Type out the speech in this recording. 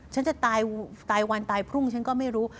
ฉันจะตายวันตายพรุ่งฉันก็ไม่รู้